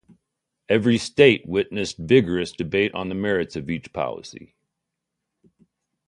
Every state witnessed vigorous debate on the merits of each policy.